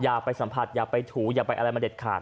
อย่าไปสัมผัสอย่าไปถูอย่าไปอะไรมาเด็ดขาด